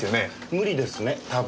無理ですね多分。